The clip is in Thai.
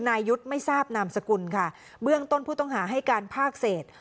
นายยุทธ์ไม่ทราบนามสกุลค่ะเบื้องต้นผู้ต้องหาให้การภาคเศษ